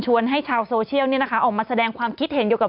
ให้ชาวโซเชียลออกมาแสดงความคิดเห็นเกี่ยวกับ